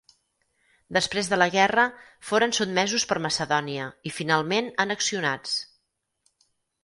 Després de la guerra foren sotmesos per Macedònia i finalment annexionats.